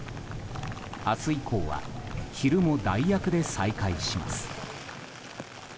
明日以降は昼も代役で再開します。